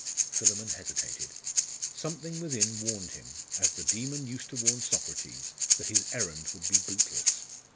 Philammon hesitated. Something within warned him, as the Daemon used to warn Socrates, that his errand would be bootless.